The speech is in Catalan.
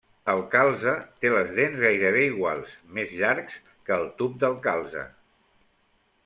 El calze té les dents gairebé iguals, més llargs que el tub del calze.